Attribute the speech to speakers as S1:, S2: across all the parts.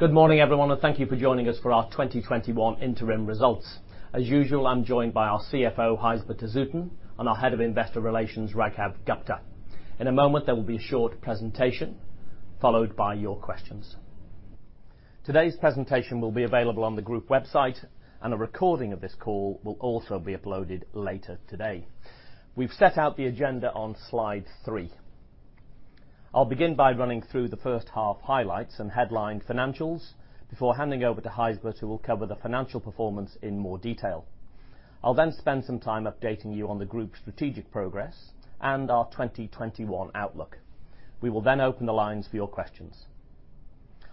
S1: Good morning, everyone, thank you for joining us for our 2021 interim results. As usual, I am joined by our CFO, Gijsbert de Zoeten, and our Head of Investor Relations, Raghav Gupta. In a moment, there will be a short presentation followed by your questions. Today's presentation will be available on the group website, and a recording of this call will also be uploaded later today. We have set out the agenda on Slide 3. I will begin by running through the first half highlights and headline financials before handing over to Gijsbert, who will cover the financial performance in more detail. I will spend some time updating you on the group's strategic progress and our 2021 outlook. We will open the lines for your questions.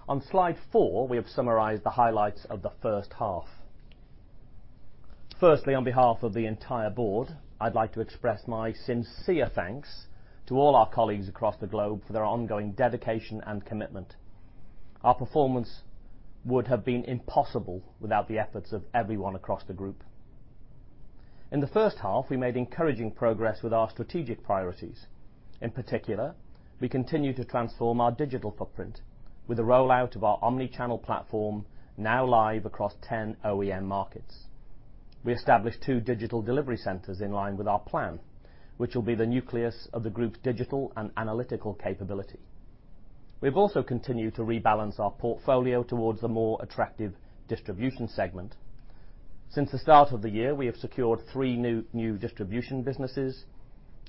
S1: On Slide 4, we have summarized the highlights of the first half. Firstly, on behalf of the entire board, I would like to express my sincere thanks to all our colleagues across the globe for their ongoing dedication and commitment. Our performance would have been impossible without the efforts of everyone across the group. In the first half, we made encouraging progress with our strategic priorities. In particular, we continue to transform our digital footprint with the rollout of our omnichannel platform now live across 10 OEM markets. We established two Digital Delivery Centers in line with our plan, which will be the nucleus of the group's digital and analytical capability. We have also continued to rebalance our portfolio towards the more attractive distribution segment. Since the start of the year, we have secured three new distribution businesses,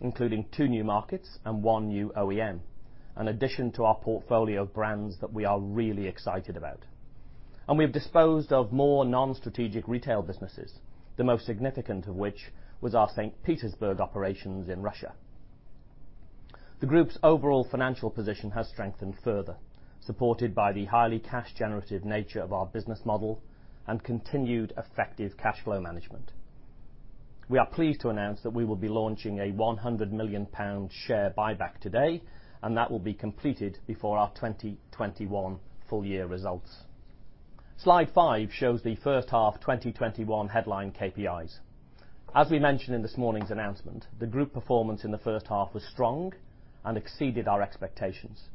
S1: including two new markets and one new OEM, an addition to our portfolio of brands that we are really excited about. We have disposed of more non-strategic retail businesses, the most significant of which was our St. Petersburg operations in Russia. The group's overall financial position has strengthened further, supported by the highly cash generative nature of our business model and continued effective cash flow management. We are pleased to announce that we will be launching a 100 million pound share buyback today, and that will be completed before our 2021 full year results. Slide 5 shows the first half 2021 headline KPIs. As we mentioned in this morning's announcement, the group performance in the first half was strong and exceeded our expectations.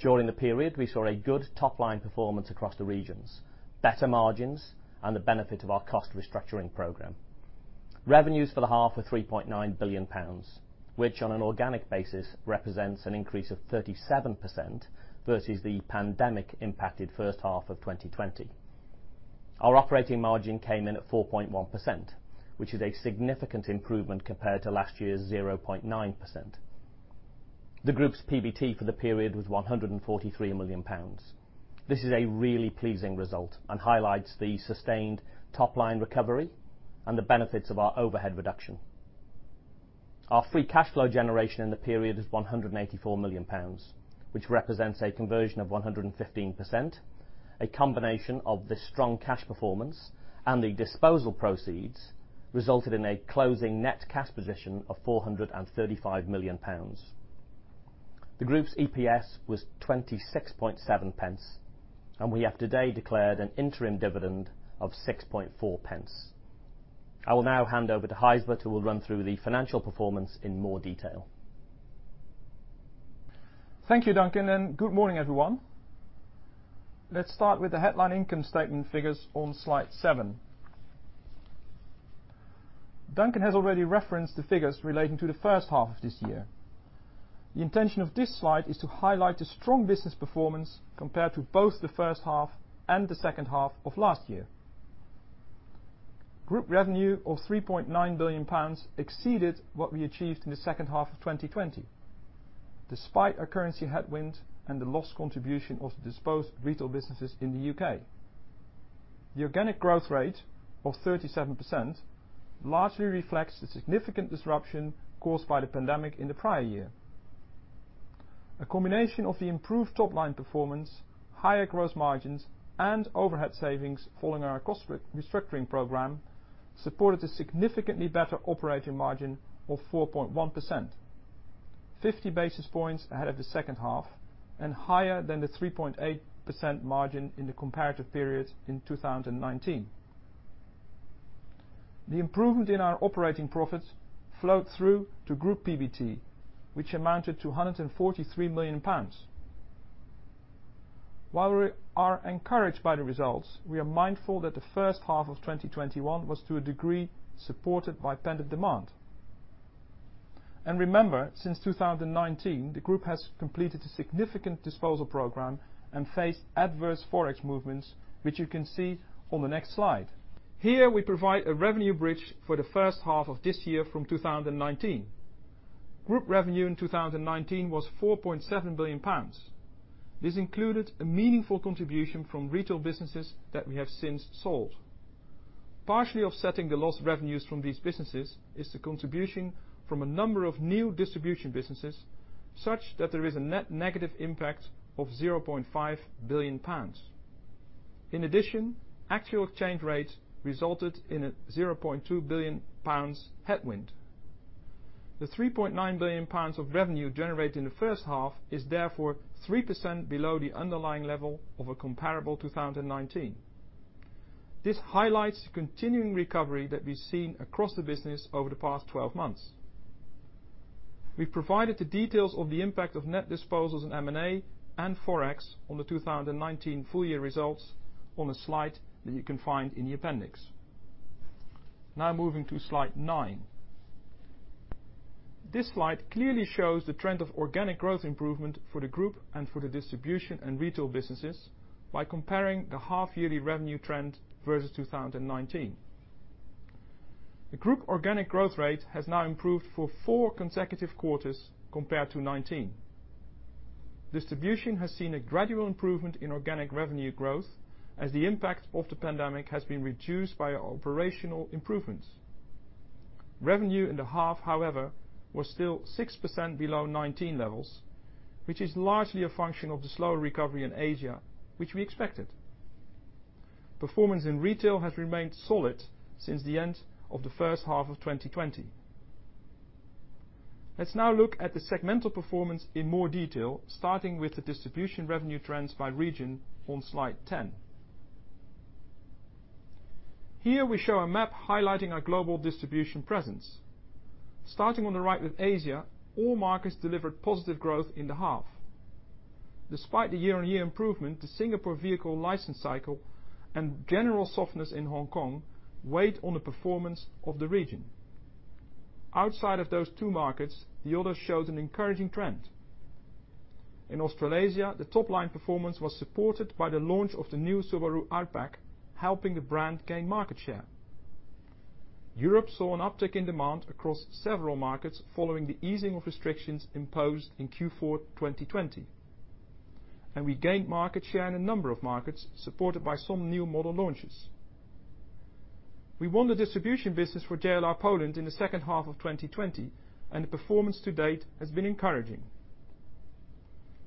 S1: During the period, we saw a good top-line performance across the regions, better margins, and the benefit of our cost restructuring program. Revenues for the half were 3.9 billion pounds, which on an organic basis represents an increase of 37% versus the pandemic-impacted first half of 2020. Our operating margin came in at 4.1%, which is a significant improvement compared to last year's 0.9%. The group's PBT for the period was 143 million pounds. This is a really pleasing result and highlights the sustained top-line recovery and the benefits of our overhead reduction. Our free cash flow generation in the period is 184 million pounds, which represents a conversion of 115%. A combination of this strong cash performance and the disposal proceeds resulted in a closing net cash position of 435 million pounds. The group's EPS was 0.267, and we have today declared an interim dividend of 0.064. I will now hand over to Gijsbert, who will run through the financial performance in more detail.
S2: Thank you, Duncan, and good morning, everyone. Let's start with the headline income statement figures on Slide 7. Duncan has already referenced the figures relating to the first half of this year. The intention of this slide is to highlight the strong business performance compared to both the first half and the second half of last year. Group revenue of 3.9 billion pounds exceeded what we achieved in the second half of 2020, despite a currency headwind and the loss contribution of disposed retail businesses in the U.K. The organic growth rate of 37% largely reflects the significant disruption caused by the pandemic in the prior year. A combination of the improved top-line performance, higher gross margins, and overhead savings following our cost restructuring program supported a significantly better operating margin of 4.1%, 50 basis points ahead of the second half and higher than the 3.8% margin in the comparative period in 2019. The improvement in our operating profits flowed through to group PBT, which amounted to 143 million pounds. While we are encouraged by the results, we are mindful that the first half of 2021 was to a degree supported by pent-up demand. Remember, since 2019, the group has completed a significant disposal program and faced adverse Forex movements, which you can see on the next slide. Here, we provide a revenue bridge for the first half of this year from 2019. Group revenue in 2019 was 4.7 billion pounds. This included a meaningful contribution from retail businesses that we have since sold. Partially offsetting the loss of revenues from these businesses is the contribution from a number of new distribution businesses, such that there is a net negative impact of 0.5 billion pounds. In addition, actual exchange rates resulted in a 0.2 billion pounds headwind. The 3.9 billion pounds of revenue generated in the first half is therefore 3% below the underlying level of a comparable 2019. This highlights the continuing recovery that we've seen across the business over the past 12 months. We've provided the details of the impact of net disposals in M&A and Forex on the 2019 full year results on a slide that you can find in the appendix. Moving to slide nine. This slide clearly shows the trend of organic growth improvement for the group and for the distribution and retail businesses by comparing the half yearly revenue trend versus 2019. The group organic growth rate has now improved for four consecutive quarters compared to 2019. Distribution has seen a gradual improvement in organic revenue growth as the impact of the pandemic has been reduced by operational improvements. Revenue in the half, however, was still 6% below 2019 levels, which is largely a function of the slower recovery in Asia, which we expected. Performance in retail has remained solid since the end of the first half of 2020. Let's now look at the segmental performance in more detail, starting with the distribution revenue trends by region on slide 10. Here we show a map highlighting our global distribution presence. Starting on the right with Asia, all markets delivered positive growth in the half. Despite the year-on-year improvement, the Singapore vehicle license cycle and general softness in Hong Kong weighed on the performance of the region. Outside of those two markets, the others showed an encouraging trend. In Australasia, the top-line performance was supported by the launch of the new Subaru Outback, helping the brand gain market share. Europe saw an uptick in demand across several markets following the easing of restrictions imposed in Q4 2020. We gained market share in a number of markets supported by some new model launches. We won the distribution business for JLR Poland in the second half of 2020, and the performance to date has been encouraging.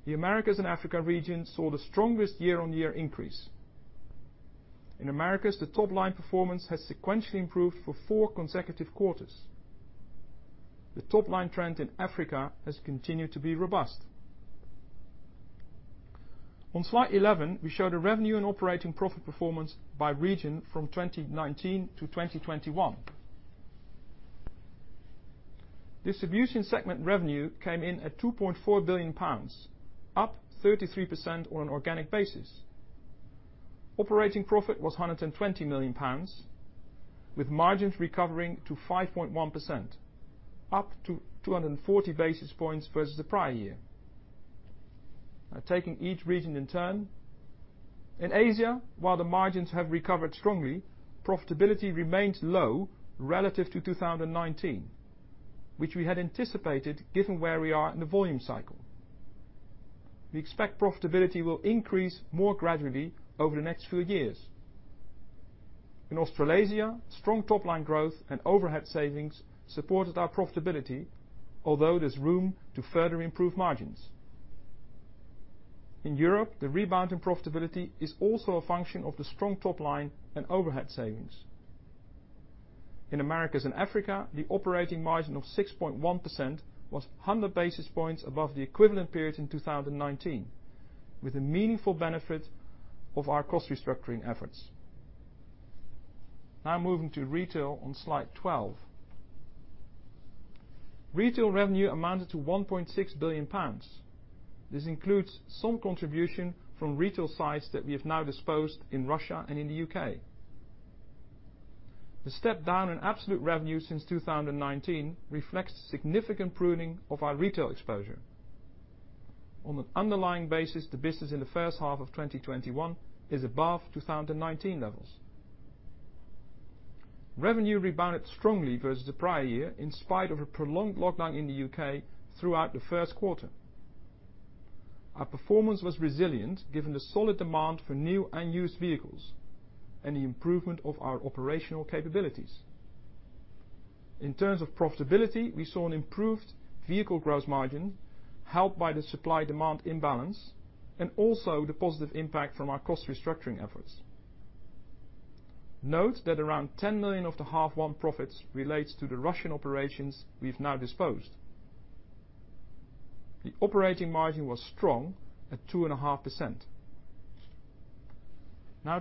S2: The Americas and Africa region saw the strongest year-on-year increase. In Americas, the top-line performance has sequentially improved for four consecutive quarters. The top-line trend in Africa has continued to be robust. On slide 11, we show the revenue and operating profit performance by region from 2019 to 2021. Distribution segment revenue came in at 2.4 billion pounds, up 33% on an organic basis. Operating profit was 120 million pounds, with margins recovering to 5.1%, up 240 basis points versus the prior year. Taking each region in turn. In Asia, while the margins have recovered strongly, profitability remains low relative to 2019, which we had anticipated given where we are in the volume cycle. We expect profitability will increase more gradually over the next few years. In Australasia, strong top-line growth and overhead savings supported our profitability, although there is room to further improve margins. In Europe, the rebound in profitability is also a function of the strong top line and overhead savings. In Americas and Africa, the operating margin of 6.1% was 100 basis points above the equivalent period in 2019, with a meaningful benefit of our cost restructuring efforts. Moving to retail on slide 12. Retail revenue amounted to 1.6 billion pounds. This includes some contribution from retail sites that we have now disposed in Russia and in the U.K. The step down in absolute revenue since 2019 reflects significant pruning of our retail exposure. On an underlying basis, the business in the first half of 2021 is above 2019 levels. Revenue rebounded strongly versus the prior year in spite of a prolonged lockdown in the U.K. throughout the first quarter. Our performance was resilient given the solid demand for new and used vehicles and the improvement of our operational capabilities. In terms of profitability, we saw an improved vehicle gross margin helped by the supply-demand imbalance and also the positive impact from our cost restructuring efforts. Note that around 10 million of the half one profits relates to the Russian operations we have now disposed. The operating margin was strong at 2.5%.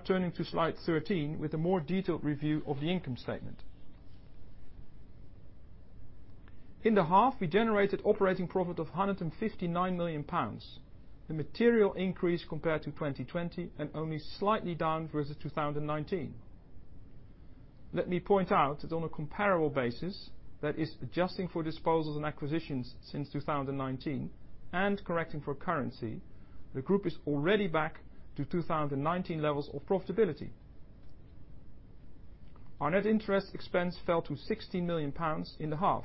S2: Turning to slide 13 with a more detailed review of the income statement. In the half, we generated operating profit of 159 million pounds, a material increase compared to 2020 and only slightly down versus 2019. Let me point out that on a comparable basis, that is adjusting for disposals and acquisitions since 2019 and correcting for currency, the group is already back to 2019 levels of profitability. Our net interest expense fell to 16 million pounds in the half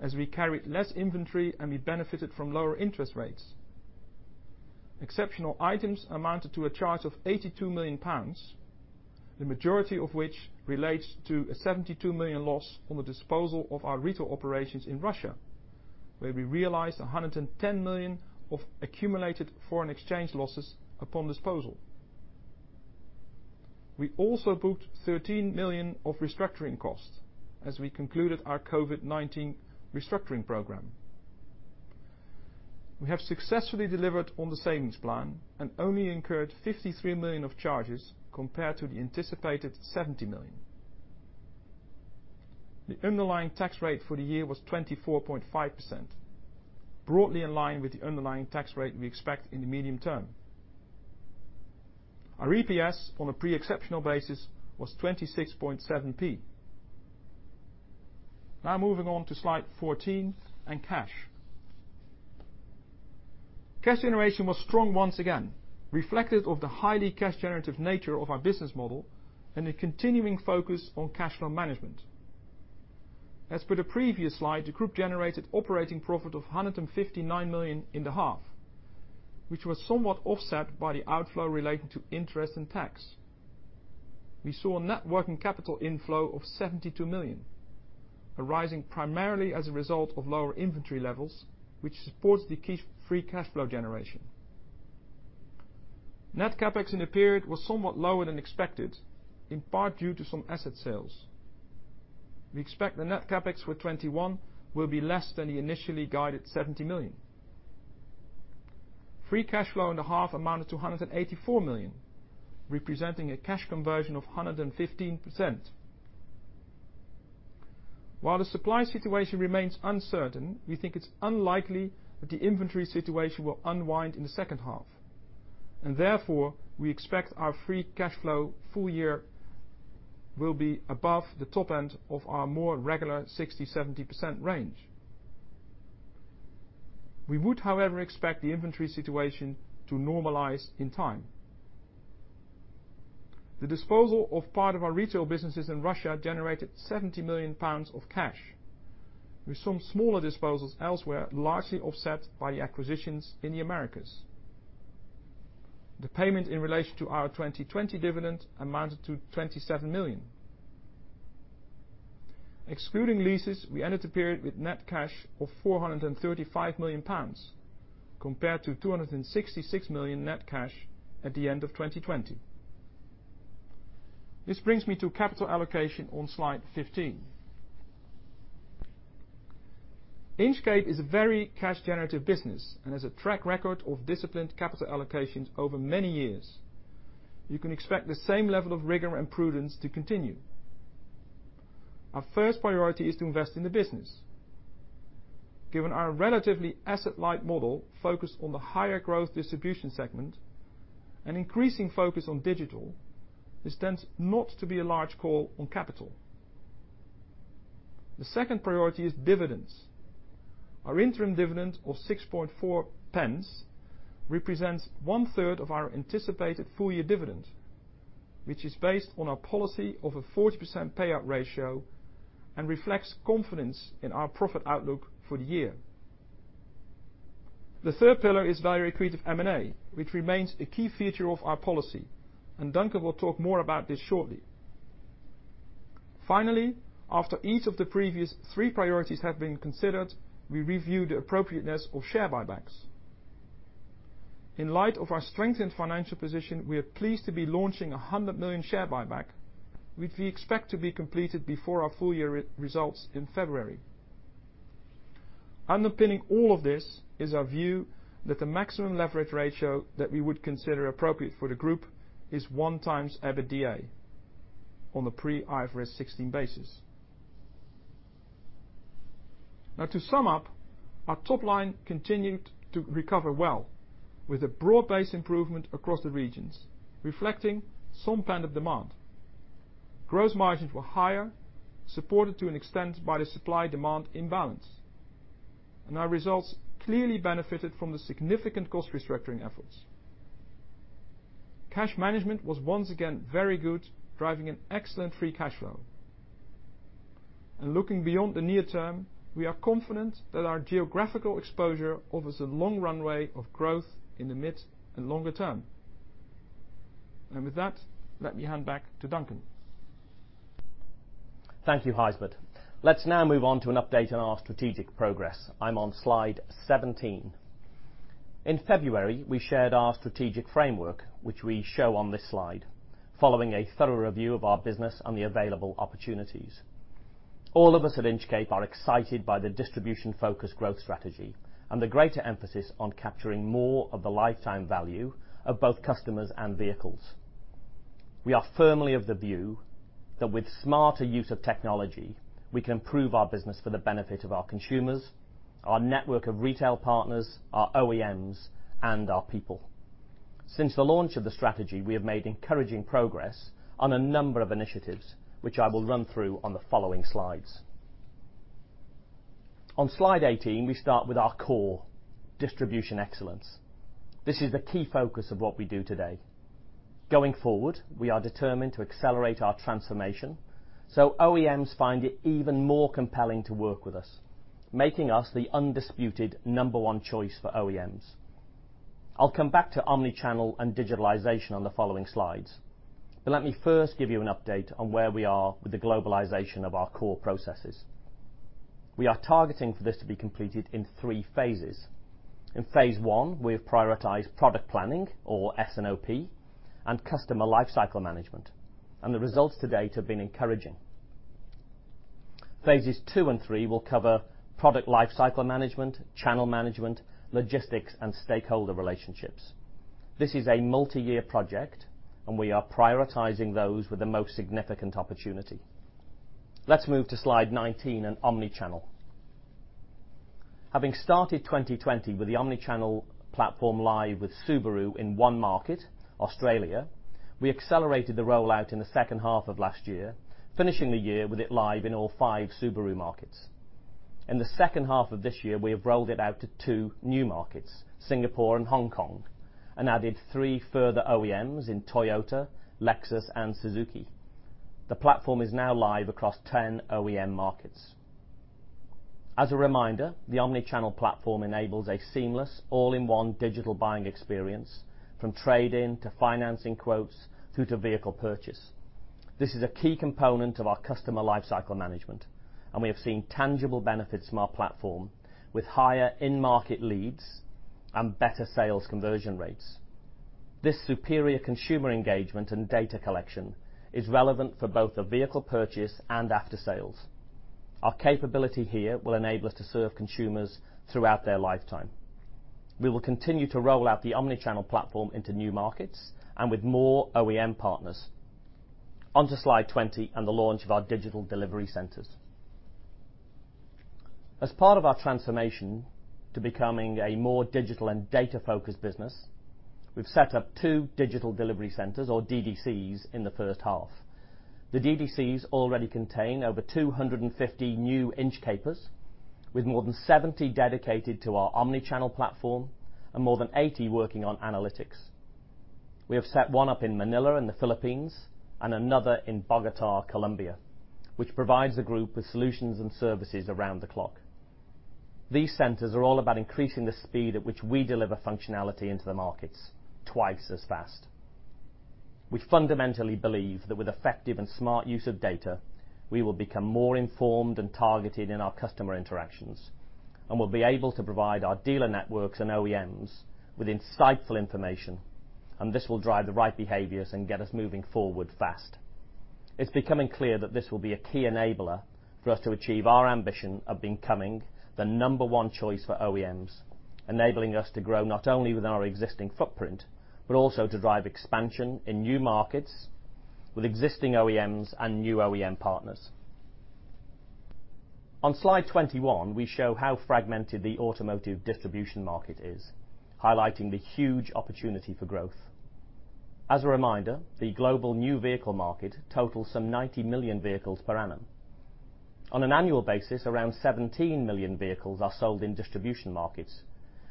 S2: as we carried less inventory, and we benefited from lower interest rates. Exceptional items amounted to a charge of 82 million pounds, the majority of which relates to a 72 million loss on the disposal of our retail operations in Russia, where we realized 110 million of accumulated foreign exchange losses upon disposal. We also booked 13 million of restructuring costs as we concluded our COVID-19 restructuring program. We have successfully delivered on the savings plan and only incurred 53 million of charges compared to the anticipated 70 million. The underlying tax rate for the year was 24.5%, broadly in line with the underlying tax rate we expect in the medium term. Our EPS on a pre-exceptional basis was 0.267. Moving on to slide 14 and cash. Cash generation was strong once again, reflective of the highly cash generative nature of our business model and a continuing focus on cash flow management. As per the previous slide, the group generated operating profit of 159 million in the half, which was somewhat offset by the outflow related to interest and tax. We saw net working capital inflow of 72 million, arising primarily as a result of lower inventory levels, which supports the key free cash flow generation. Net CapEx in the period was somewhat lower than expected, in part due to some asset sales. We expect the net CapEx for 2021 will be less than the initially guided 70 million. Free cash flow in the half amounted to 184 million, representing a cash conversion of 115%. While the supply situation remains uncertain, we think it's unlikely that the inventory situation will unwind in the second half. Therefore we expect our free cash flow full year will be above the top end of our more regular 60%-70% range. We would, however, expect the inventory situation to normalize in time. The disposal of part of our retail businesses in Russia generated 70 million pounds of cash, with some smaller disposals elsewhere, largely offset by the acquisitions in the Americas. The payment in relation to our 2020 dividend amounted to 27 million. Excluding leases, we ended the period with net cash of 435 million pounds compared to 266 million net cash at the end of 2020. This brings me to capital allocation on slide 15. Inchcape is a very cash generative business and has a track record of disciplined capital allocations over many years. You can expect the same level of rigor and prudence to continue. Our first priority is to invest in the business given our relatively asset light model focused on the higher growth distribution segment and increasing focus on digital, this tends not to be a large call on capital. The second priority is dividends. Our interim dividend of 0.064 represents one third of our anticipated full year dividend, which is based on our policy of a 40% payout ratio and reflects confidence in our profit outlook for the year. The third pillar is value accretive M&A, which remains a key feature of our policy. Duncan will talk more about this shortly. Finally, after each of the previous three priorities have been considered, we review the appropriateness of share buybacks. In light of our strengthened financial position, we are pleased to be launching 100 million share buyback, which we expect to be completed before our full year results in February. Underpinning all of this is our view that the maximum leverage ratio that we would consider appropriate for the group is 1x EBITDA on the pre IFRS 16 basis. To sum up, our top line continued to recover well with a broad-based improvement across the regions, reflecting some pent up demand. Gross margins were higher, supported to an extent by the supply demand imbalance. Our results clearly benefited from the significant cost restructuring efforts. Cash management was once again very good, driving an excellent free cash flow. Looking beyond the near term, we are confident that our geographical exposure offers a long runway of growth in the mid and longer term. With that, let me hand back to Duncan.
S1: Thank you, Gijsbert. Let's now move on to an update on our strategic progress. I'm on slide 17. In February, we shared our strategic framework, which we show on this slide following a thorough review of our business and the available opportunities. All of us at Inchcape are excited by the distribution focused growth strategy and the greater emphasis on capturing more of the lifetime value of both customers and vehicles. We are firmly of the view that with smarter use of technology, we can improve our business for the benefit of our consumers, our network of retail partners, our OEMs, and our people. Since the launch of the strategy, we have made encouraging progress on a number of initiatives, which I will run through on the following slides. On slide 18, we start with our core, distribution excellence. This is the key focus of what we do today. Going forward, we are determined to accelerate our transformation so OEMs find it even more compelling to work with us, making us the undisputed number one choice for OEMs. I'll come back to omnichannel and digitalization on the following slides, but let me first give you an update on where we are with the globalization of our core processes. We are targeting for this to be completed in 3 phases. In phase 1, we have prioritized product planning or S&OP and customer lifecycle management, and the results to date have been encouraging. Phases 2 and 3 will cover product lifecycle management, channel management, logistics, and stakeholder relationships. This is a multi-year project. We are prioritizing those with the most significant opportunity. Let's move to slide 19 and omnichannel. Having started 2020 with the omnichannel platform live with Subaru in one market, Australia, we accelerated the rollout in the second half of last year, finishing the year with it live in all five Subaru markets. In the second half of this year, we have rolled it out to two new markets, Singapore and Hong Kong, and added three further OEMs in Toyota, Lexus, and Suzuki. The platform is now live across 10 OEM markets. As a reminder, the omnichannel platform enables a seamless, all-in-one digital buying experience from trade-in to financing quotes through to vehicle purchase. This is a key component of our customer lifecycle management. We have seen tangible benefits from our platform with higher in-market leads and better sales conversion rates. This superior consumer engagement and data collection is relevant for both a vehicle purchase and after-sales. Our capability here will enable us to serve consumers throughout their lifetime. We will continue to roll out the omnichannel platform into new markets and with more OEM partners. Onto slide 20 and the launch of our Digital Delivery Centers. As part of our transformation to becoming a more digital and data-focused business, we've set up two Digital Delivery Centers, or DDCs, in the first half. The DDCs already contain over 250 new Inchcapers, with more than 70 dedicated to our omnichannel platform and more than 80 working on analytics. We have set one up in Manila in the Philippines and another in Bogotá, Colombia, which provides the group with solutions and services around the clock. These centers are all about increasing the speed at which we deliver functionality into the markets twice as fast. We fundamentally believe that with effective and smart use of data, we will become more informed and targeted in our customer interactions and will be able to provide our dealer networks and OEMs with insightful information. This will drive the right behaviors and get us moving forward fast. It's becoming clear that this will be a key enabler for us to achieve our ambition of becoming the number one choice for OEMs, enabling us to grow not only within our existing footprint, but also to drive expansion in new markets with existing OEMs and new OEM partners. On slide 21, we show how fragmented the automotive distribution market is, highlighting the huge opportunity for growth. As a reminder, the global new vehicle market totals some 90 million vehicles per annum. On an annual basis, around 17 million vehicles are sold in distribution markets,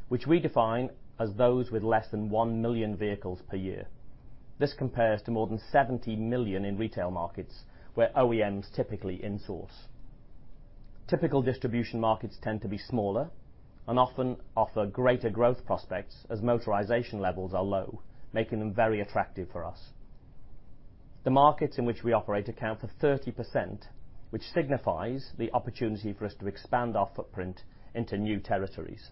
S1: which we define as those with less than one million vehicles per year. This compares to more than 70 million in retail markets where OEMs typically in-source. Typical distribution markets tend to be smaller and often offer greater growth prospects as motorization levels are low, making them very attractive for us. The markets in which we operate account for 30%, which signifies the opportunity for us to expand our footprint into new territories.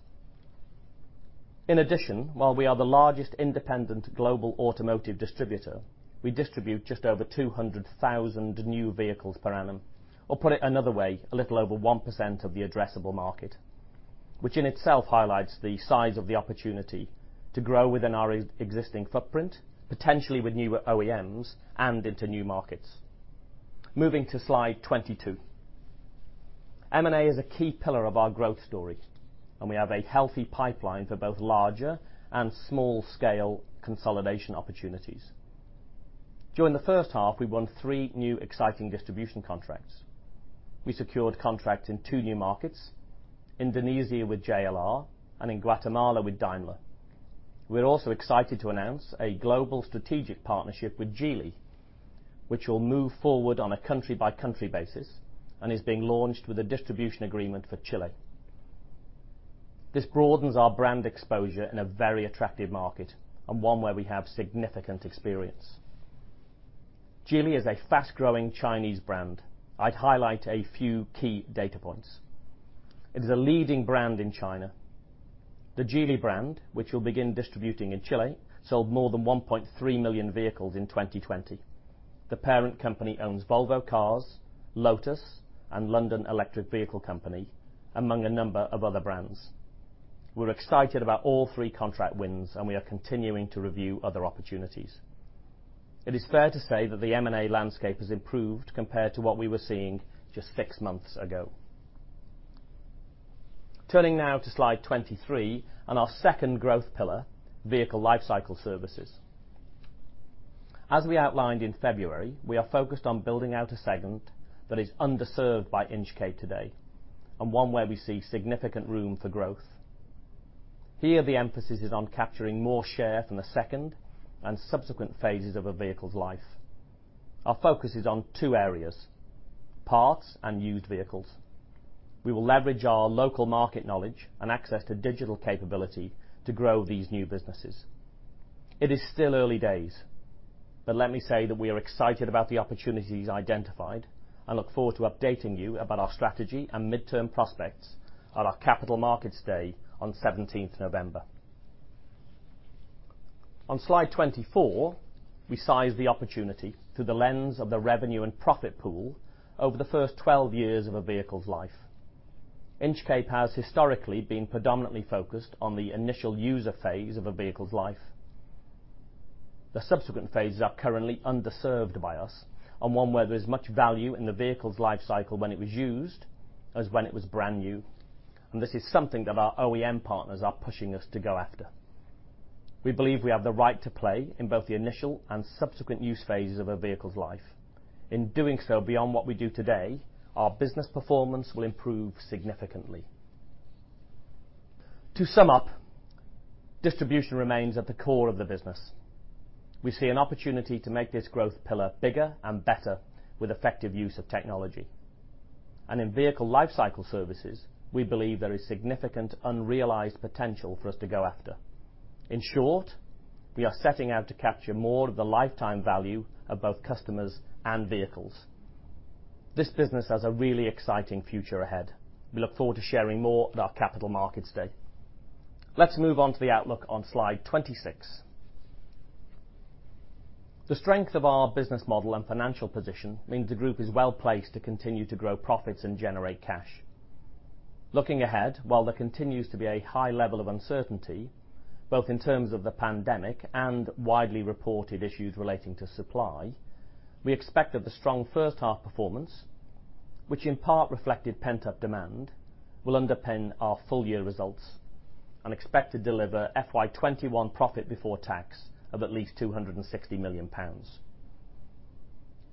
S1: In addition, while we are the largest independent global automotive distributor, we distribute just over 200,000 new vehicles per annum, or put it another way, a little over 1% of the addressable market, which in itself highlights the size of the opportunity to grow within our existing footprint, potentially with new OEMs and into new markets. Moving to slide 22. M&A is a key pillar of our growth story. We have a healthy pipeline for both larger and small-scale consolidation opportunities. During the first half, we won three new exciting distribution contracts. We secured contracts in two new markets, Indonesia with JLR and in Guatemala with Daimler. We're also excited to announce a global strategic partnership with Geely, which will move forward on a country-by-country basis and is being launched with a distribution agreement for Chile. This broadens our brand exposure in a very attractive market and one where we have significant experience. Geely is a fast-growing Chinese brand. I'd highlight a few key data points. It is a leading brand in China. The Geely brand, which we'll begin distributing in Chile, sold more than 1.3 million vehicles in 2020. The parent company owns Volvo Cars, Lotus, and London Electric Vehicle Company, among a number of other brands. We're excited about all three contract wins. We are continuing to review other opportunities. It is fair to say that the M&A landscape has improved compared to what we were seeing just six months ago. Turning now to slide 23 and our second growth pillar, Vehicle Lifecycle Services. As we outlined in February, we are focused on building out a segment that is underserved by Inchcape today and one where we see significant room for growth. Here, the emphasis is on capturing more share from the second and subsequent phases of a vehicle's life. Our focus is on two areas, parts and used vehicles. We will leverage our local market knowledge and access to digital capability to grow these new businesses. It is still early days. Let me say that we are excited about the opportunities identified and look forward to updating you about our strategy and midterm prospects at our Capital Markets Day on 17th November. On slide 24, we size the opportunity through the lens of the revenue and profit pool over the first 12 years of a vehicle's life. Inchcape has historically been predominantly focused on the initial user phase of a vehicle's life. The subsequent phases are currently underserved by us, and one where there's much value in the vehicle's life cycle when it was used as when it was brand new, and this is something that our OEM partners are pushing us to go after. We believe we have the right to play in both the initial and subsequent use phases of a vehicle's life. In doing so beyond what we do today, our business performance will improve significantly. To sum up, distribution remains at the core of the business. We see an opportunity to make this growth pillar bigger and better with effective use of technology. In Vehicle Lifecycle Services, we believe there is significant unrealized potential for us to go after. In short, we are setting out to capture more of the lifetime value of both customers and vehicles. This business has a really exciting future ahead. We look forward to sharing more at our Capital Markets Day. Let's move on to the outlook on slide 26. The strength of our business model and financial position means the group is well-placed to continue to grow profits and generate cash. Looking ahead, while there continues to be a high level of uncertainty, both in terms of the pandemic and widely reported issues relating to supply, we expect that the strong first half performance, which in part reflected pent-up demand, will underpin our full year results and expect to deliver FY 2021 profit before tax of at least 260 million pounds.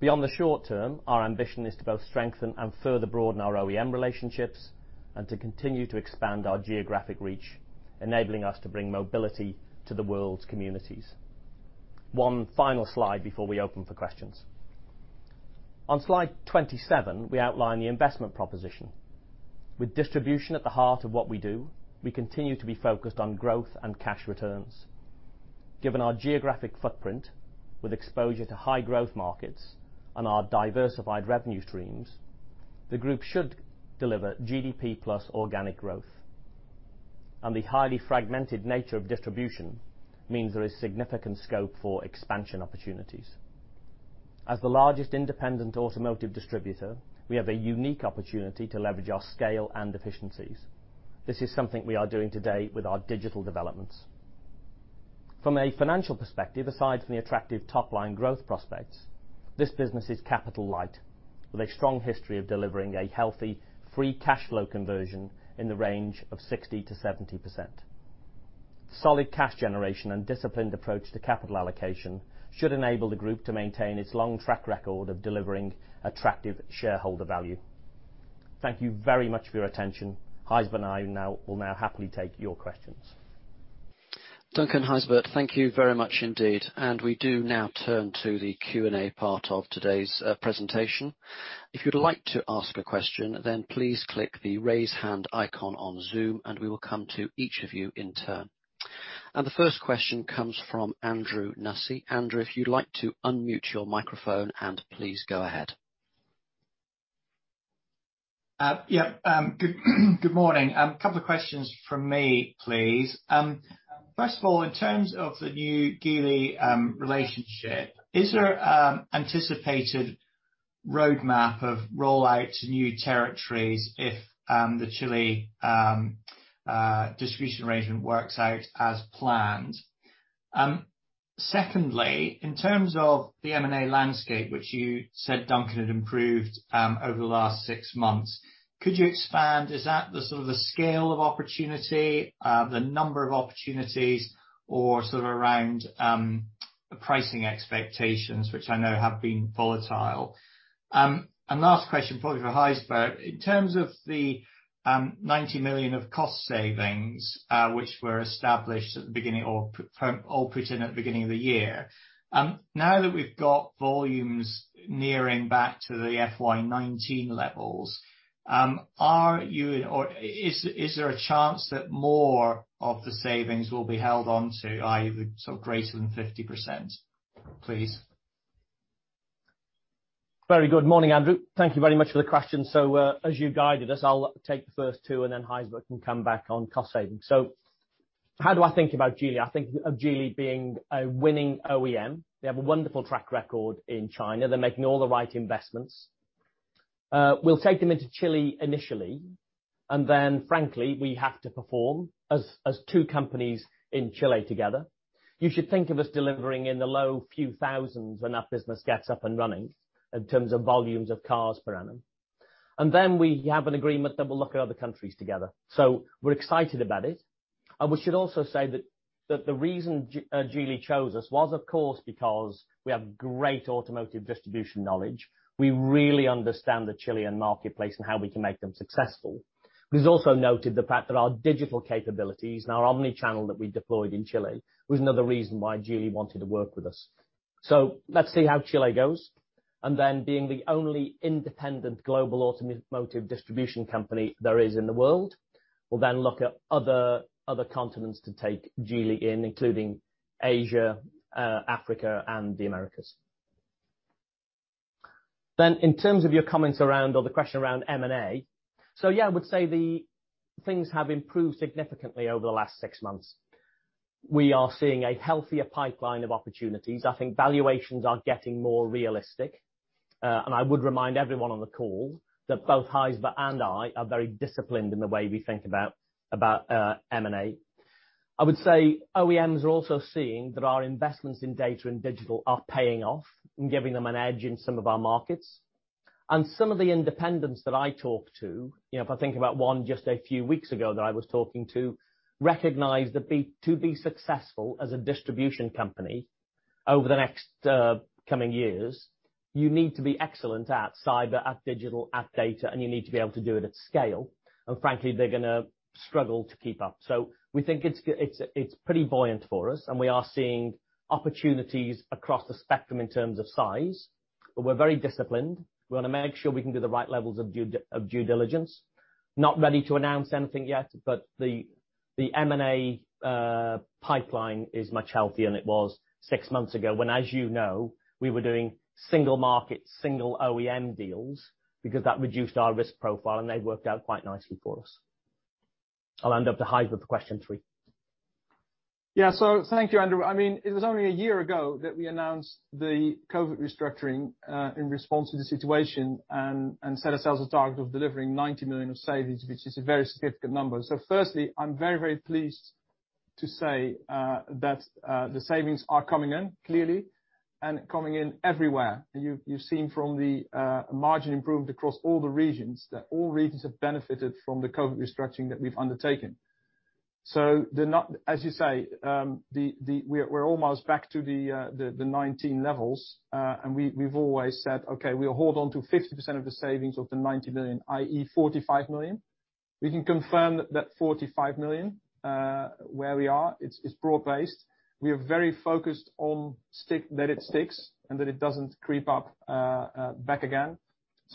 S1: Beyond the short term, our ambition is to both strengthen and further broaden our OEM relationships and to continue to expand our geographic reach, enabling us to bring mobility to the world's communities. One final slide before we open for questions. On slide 27, we outline the investment proposition. With distribution at the heart of what we do, we continue to be focused on growth and cash returns. Given our geographic footprint with exposure to high growth markets and our diversified revenue streams, the group should deliver GDP plus organic growth. The highly fragmented nature of distribution means there is significant scope for expansion opportunities. As the largest independent automotive distributor, we have a unique opportunity to leverage our scale and efficiencies. This is something we are doing today with our digital developments. From a financial perspective, aside from the attractive top-line growth prospects, this business is capital light, with a strong history of delivering a healthy free cash flow conversion in the range of 60%-70%. Solid cash generation and disciplined approach to capital allocation should enable the group to maintain its long track record of delivering attractive shareholder value. Thank you very much for your attention. Gijsbert and I will now happily take your questions.
S3: Duncan, Gijsbert, thank you very much indeed. We do now turn to the Q&A part of today's presentation. If you'd like to ask a question, then please click the raise hand icon on Zoom and we will come to each of you in turn. The first question comes from Andrew Nussey. Andrew, if you'd like to unmute your microphone and please go ahead.
S4: Yep. Good morning. A couple of questions from me, please. First of all, in terms of the new Geely relationship, is there anticipated roadmap of rollout to new territories if the Chile distribution arrangement works out as planned? Secondly, in terms of the M&A landscape, which you said Duncan had improved over the last six months, could you expand? Is that the sort of the scale of opportunity, the number of opportunities or sort of around pricing expectations, which I know have been volatile? Last question, probably for Gijsbert, in terms of the 90 million of cost savings, which were established at the beginning or put in at the beginning of the year, now that we've got volumes nearing back to the FY 2019 levels, is there a chance that more of the savings will be held onto, i.e. greater than 50%? Please.
S1: Very good morning, Andrew. Thank you very much for the question. As you guided us, I'll take the first two and then Gijsbert can come back on cost savings. How do I think about Geely? I think of Geely being a winning OEM. They have a wonderful track record in China. They're making all the right investments. We'll take them into Chile initially, and then frankly, we have to perform as two companies in Chile together. You should think of us delivering in the low few thousands when our business gets up and running in terms of volumes of cars per annum. We have an agreement that we'll look at other countries together. We're excited about it. We should also say that the reason Geely chose us was, of course, because we have great automotive distribution knowledge. We really understand the Chilean marketplace and how we can make them successful. We've also noted the fact that our digital capabilities and our omnichannel that we deployed in Chile was another reason why Geely wanted to work with us. Let's see how Chile goes, being the only independent global automotive distribution company there is in the world, we'll then look at other continents to take Geely in, including Asia, Africa and the Americas. In terms of your comments around, or the question around M&A. Yeah, I would say the things have improved significantly over the last 6 months. We are seeing a healthier pipeline of opportunities. I think valuations are getting more realistic. I would remind everyone on the call that both Gijsbert and I are very disciplined in the way we think about M&A. I would say OEMs are also seeing that our investments in data and digital are paying off and giving them an edge in some of our markets. Some of the independents that I talk to, if I think about one just a few weeks ago that I was talking to, recognize that to be successful as a distribution company over the next coming years, you need to be excellent at cyber, at digital, at data, and you need to be able to do it at scale. Frankly, they're going to struggle to keep up. We think it's pretty buoyant for us, and we are seeing opportunities across the spectrum in terms of size. We're very disciplined. We want to make sure we can do the right levels of due diligence. Not ready to announce anything yet, the M&A pipeline is much healthier than it was 6 months ago, when, as you know, we were doing single market, single OEM deals because that reduced our risk profile, they worked out quite nicely for us. I'll hand over to Gijsbert for question three.
S2: Yeah. Thank you, Andrew. It was only a year ago that we announced the COVID restructuring, in response to the situation, and set ourselves a target of delivering 90 million of savings, which is a very significant number. Firstly, I'm very, very pleased to say that the savings are coming in, clearly, and coming in everywhere. You've seen from the margin improved across all the regions, that all regions have benefited from the COVID restructuring that we've undertaken. As you say, we're almost back to the 2019 levels, and we've always said, "Okay, we'll hold on to 50% of the savings of the 90 million," i.e. 45 million. We can confirm that 45 million, where we are, it's broad based. We are very focused on that it sticks, and that it doesn't creep up back again.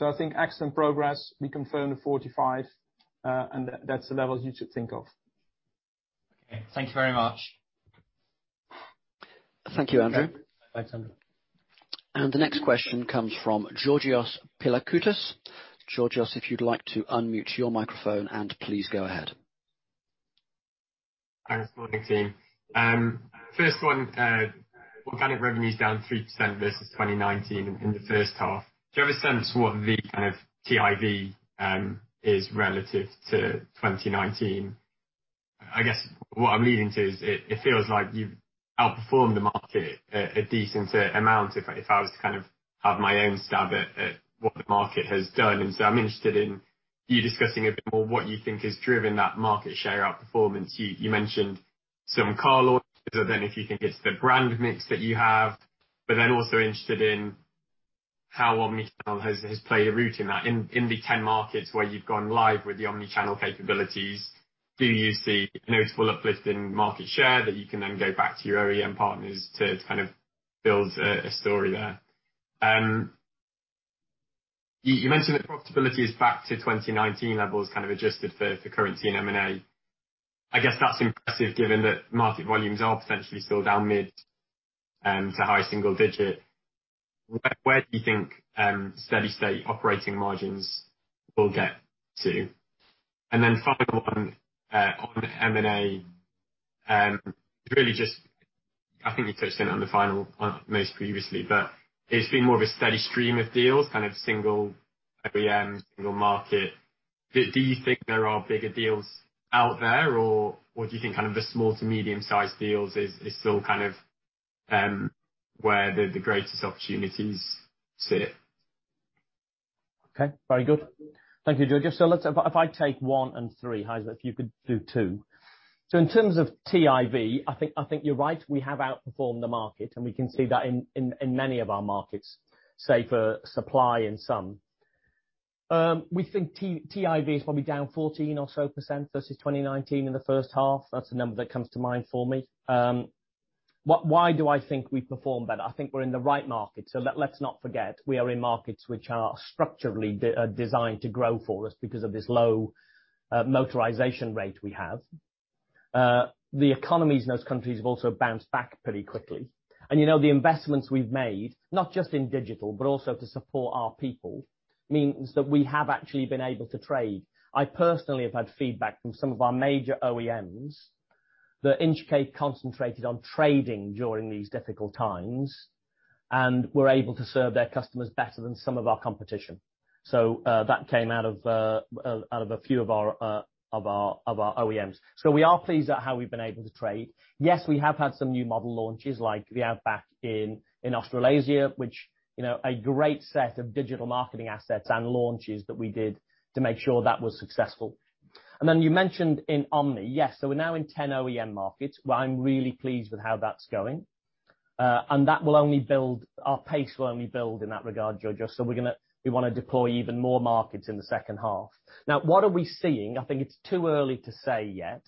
S2: I think excellent progress. We confirm the 45, that's the level you should think of.
S1: Okay. Thank you very much.
S3: Thank you, Andrew.
S2: Okay. Bye, Andrew.
S3: The next question comes from Georgios Pilakoutas. Georgios, if you'd like to unmute your microphone, please go ahead.
S5: Thanks. Morning, team. First one, organic revenue is down 3% versus 2019 in the first half. Do you have a sense what the kind of TIV is relative to 2019? I guess what I'm leading to is it feels like you've outperformed the market a decent amount, if I was to have my own stab at what the market has done. I'm interested in you discussing a bit more what you think has driven that market share outperformance. You mentioned some car launches, if you think it's the brand mix that you have, also interested in how omnichannel has played a role in that. In the 10 markets where you've gone live with the omnichannel capabilities, do you see a noticeable uplift in market share that you can then go back to your OEM partners to build a story there? You mentioned that profitability is back to 2019 levels, kind of adjusted for currency and M&A. I guess that's impressive given that market volumes are potentially still down mid to high single-digit. Where do you think steady-state operating margins will get to? Final one, on M&A, really just I think you touched on the final point most previously, it's been more of a steady stream of deals, kind of single OEM, single market. Do you think there are bigger deals out there, or do you think kind of the small-to-medium-sized deals is still kind of where the greatest opportunities sit?
S1: Okay, very good. Thank you, Georgios. If I take one and three, Gijsbert if you could do two. In terms of TIV, I think you're right. We have outperformed the market, and we can see that in many of our markets, save for supply in some. We think TIV is probably down 14% or so versus 2019 in the first half. That's the number that comes to mind for me. Why do I think we performed better? I think we're in the right market. Let's not forget, we are in markets which are structurally designed to grow for us because of this low motorization rate we have. The economies in those countries have also bounced back pretty quickly. The investments we've made, not just in digital, but also to support our people, means that we have actually been able to trade. I personally have had feedback from some of our major OEMs that Inchcape concentrated on trading during these difficult times and were able to serve their customers better than some of our competition. That came out of a few of our OEMs. We are pleased at how we've been able to trade. Yes, we have had some new model launches, like the Outback in Australasia, which a great set of digital marketing assets and launches that we did to make sure that was successful. Then you mentioned in omni, yes. We're now in 10 OEM markets, where I'm really pleased with how that's going. Our pace will only build in that regard, Georgios, we wanna deploy even more markets in the second half. What are we seeing? I think it's too early to say yet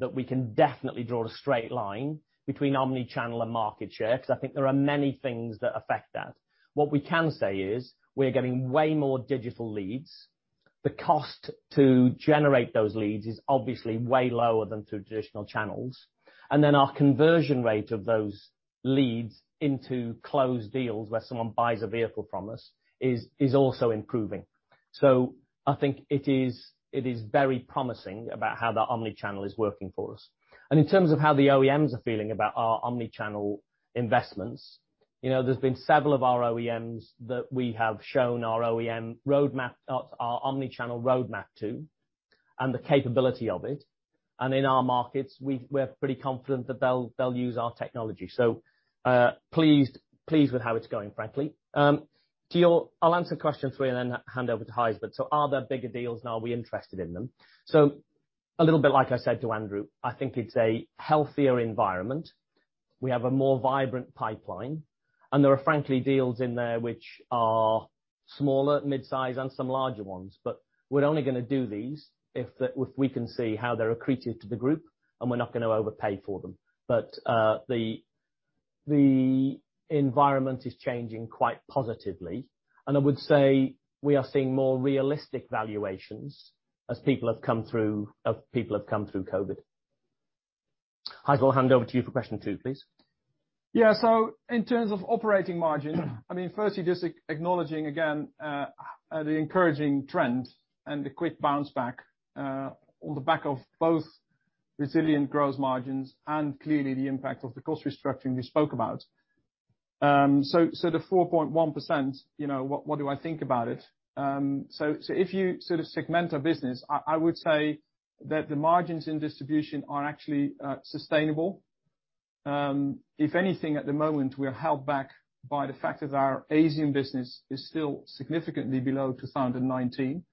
S1: that we can definitely draw a straight line between omnichannel and market share, because I think there are many things that affect that. What we can say is we are getting way more digital leads. The cost to generate those leads is obviously way lower than through traditional channels. Our conversion rate of those leads into closed deals, where someone buys a vehicle from us, is also improving. I think it is very promising about how that omnichannel is working for us. In terms of how the OEMs are feeling about our omnichannel investments, there's been several of our OEMs that we have shown our omnichannel roadmap to and the capability of it. In our markets, we're pretty confident that they'll use our technology. Pleased with how it's going, frankly. I'll answer question three and then hand over to Gijsbert. Are there bigger deals and are we interested in them? A little bit like I said to Andrew, I think it's a healthier environment. We have a more vibrant pipeline, and there are frankly deals in there which are smaller, mid-size and some larger ones. We're only going to do these if we can see how they're accretive to the group, and we're not going to overpay for them. The environment is changing quite positively, and I would say we are seeing more realistic valuations as people have come through COVID-19. Gijs, I'll hand over to you for question two, please.
S2: In terms of operating margin, I mean, firstly, just acknowledging again the encouraging trend and the quick bounce back on the back of both resilient gross margins and clearly the impact of the cost restructuring we spoke about. The 4.1%, what do I think about it? If you segment our business, I would say that the margins in distribution are actually sustainable. If anything, at the moment, we are held back by the fact that our Asian business is still significantly below 2019,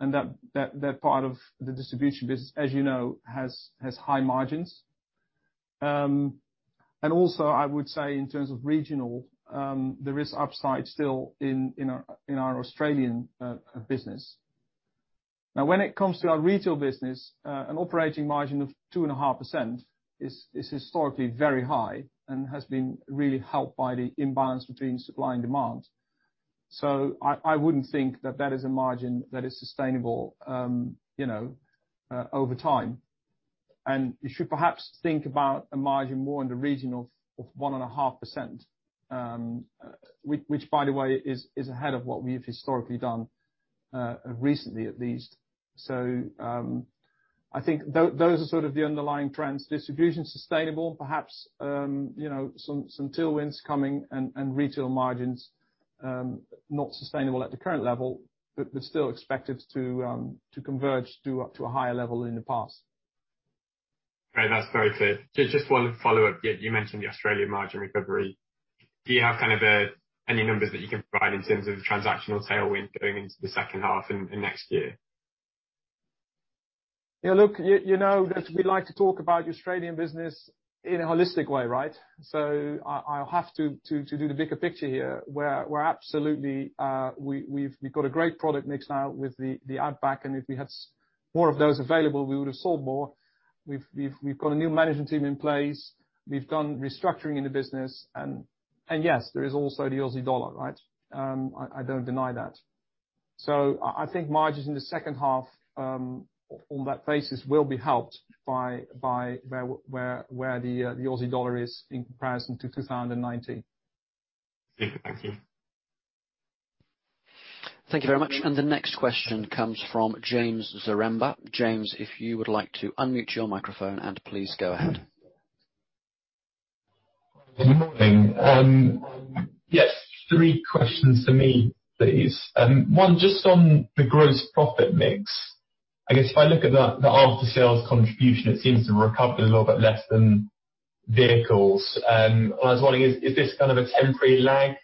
S2: and that part of the distribution business, as you know, has high margins. Also, I would say in terms of regional, there is upside still in our Australian business. When it comes to our retail business, an operating margin of 2.5% is historically very high and has been really helped by the imbalance between supply and demand. I wouldn't think that that is a margin that is sustainable over time. You should perhaps think about a margin more in the region of 1.5%, which by the way, is ahead of what we've historically done, recently at least. I think those are sort of the underlying trends. Distribution's sustainable, perhaps some tailwinds coming and retail margins not sustainable at the current level, but still expected to converge to up to a higher level than in the past.
S5: Okay, that's very clear. Just one follow-up. You mentioned the Australian margin recovery. Do you have any numbers that you can provide in terms of transactional tailwind going into the second half and next year?
S2: Look, you know that we like to talk about the Australian business in a holistic way, right? I'll have to do the bigger picture here. We've got a great product mix now with the Outback, and if we had more of those available, we would have sold more. We've got a new management team in place. We've done restructuring in the business. Yes, there is also the Aussie dollar, right? I don't deny that. I think margins in the second half on that basis will be helped by where the Aussie dollar is in comparison to 2019.
S5: Thank you.
S3: Thank you very much. The next question comes from James Zaremba. James, if you would like to unmute your microphone and please go ahead.
S6: Good morning. Yes, three questions for me, please. One, just on the gross profit mix. I guess if I look at the after sales contribution, it seems to recover a little bit less than vehicles. I was wondering, is this kind of a temporary lag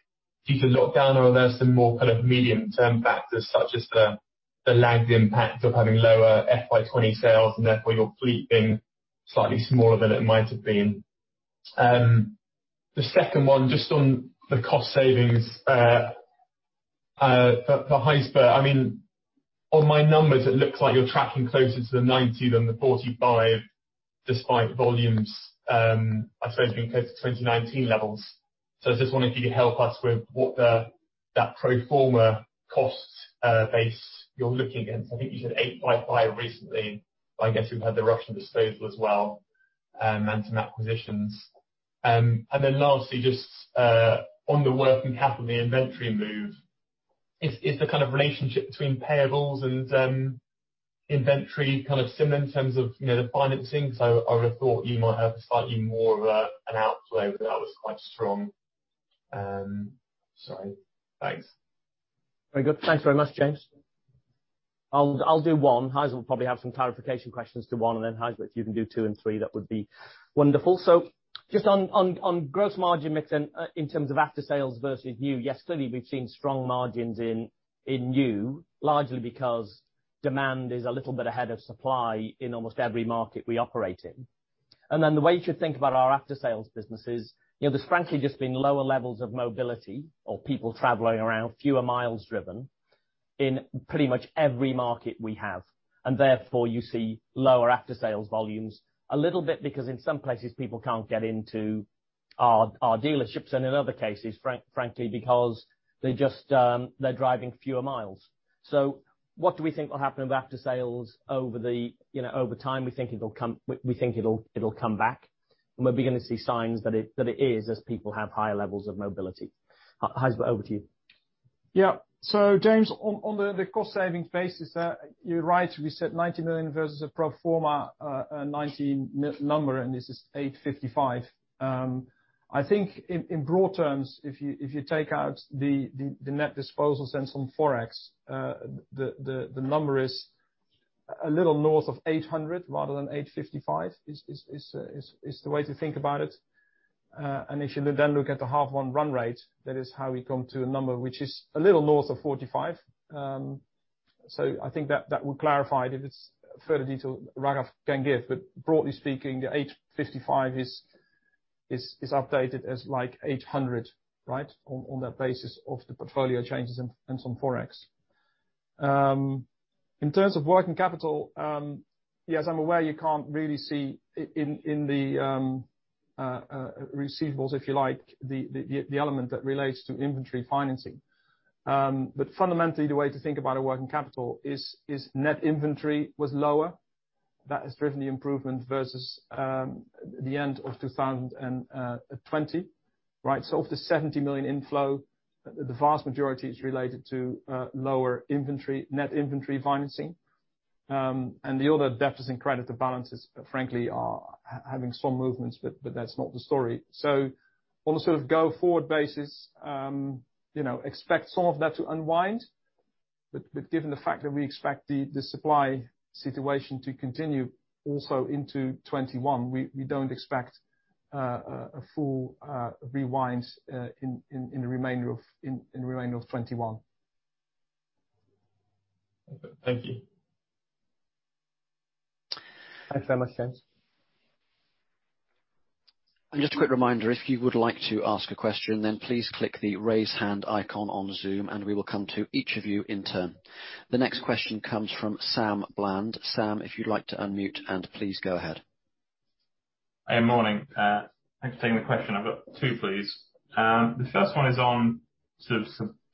S6: due to lockdown, or are there some more medium-term factors such as the lag impact of having lower FY 2020 sales and therefore your fleet being slightly smaller than it might have been? The second one, just on the cost savings for Gijsbert. On my numbers it looks like you're tracking closer to the 90 than the 45 despite volumes, I suppose, being close to 2019 levels. I just wonder if you could help us with what that pro forma cost base you're looking at. I think you said 855 recently, but I guess you've had the Russian disposal as well, and Mantum acquisitions. Lastly, just on the working capital inventory move, is the kind of relationship between payables and inventory kind of similar in terms of the financing? Because I would have thought you might have slightly more of an outflow that was quite strong. Thanks.
S1: Very good. Thanks very much, James. I'll do one. Gijs will probably have some clarification questions to one, then Gijsbert, you can do two and three, that would be wonderful. Just on gross margin mix in terms of after sales versus new, yes, clearly we've seen strong margins in new, largely because demand is a little bit ahead of supply in almost every market we operate in. The way you should think about our after sales business is, there's frankly just been lower levels of mobility or people traveling around, fewer miles driven in pretty much every market we have. You see lower after sales volumes a little bit because in some places people can't get into our dealerships, and in other cases, frankly, because they're driving fewer miles. What do we think will happen with after sales over time? We think it'll come back, and we're beginning to see signs that it is, as people have higher levels of mobility. Gijsbert, over to you.
S2: James, on the cost-savings basis, you're right. We said 90 million versus a pro forma 2019 number, and this is 855. I think in broad terms, if you take out the net disposals and some Forex, the number is a little north of 800 rather than 855, is the way to think about it. If you then look at the half 1 run rate, that is how we come to a number which is a little north of 45. I think that would clarify it. If it's further detail, Raghav can give. Broadly speaking, the 855 is updated as 800 on that basis of the portfolio changes and some Forex. In terms of working capital, yes, I'm aware you can't really see in the receivables, if you like, the element that relates to inventory financing. Fundamentally, the way to think about a working capital is net inventory was lower. That has driven the improvement versus the end of 2020. Right. Of the 70 million inflow, the vast majority is related to lower net inventory financing. The other debtors and creditor balances, frankly, are having some movements, but that's not the story. On a go-forward basis, expect some of that to unwind. Given the fact that we expect the supply situation to continue also into 2021, we don't expect a full rewind in the remainder of 2021.
S6: Thank you.
S1: Thanks very much, James.
S3: Just a quick reminder, if you would like to ask a question, please click the raise hand icon on Zoom and we will come to each of you in turn. The next question comes from Sam Bland. Sam, if you would like to unmute and please go ahead.
S7: Hi, morning. Thanks for taking the question. I have two, please. The first one is on